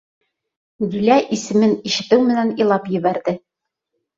Дилә, исемен ишетеү менән, илап ебәрҙе.